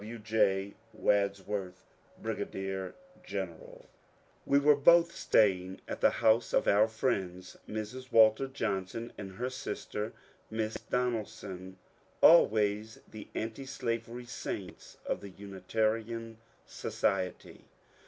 W. J. Wadsworth, Brig. Gen'L 358 MONCURE DANIEL CONWAY We were both staying at the house of our friends Mrs. Walter Johnson and her sister Miss Donaldson, always the antislavery saints of the Unitarian society.